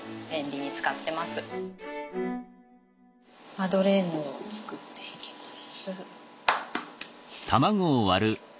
マドレーヌを作っていきます。